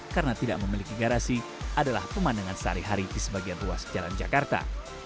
karena tidak memiliki garasi adalah pemandangan sehari hari di sebagian ruas jalan jakarta